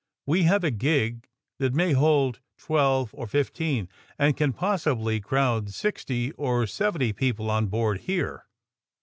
We have a gig that may hold twelve or fifteen, and can possibly crowd sixty or seventy people on board here.